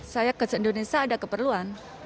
saya ke indonesia ada keperluan